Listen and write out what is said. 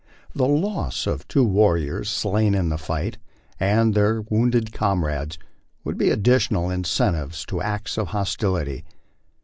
The loss of the two warriors slain in the fight, and their wounded comrades, would be additional incentives to acts of hostili ty.